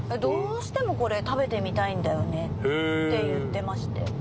「どうしてもコレ食べてみたいんだよね」って言ってまして。